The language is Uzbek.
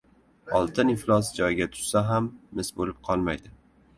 • Oltin iflos joyga tushsa ham mis bo‘lib qolmaydi.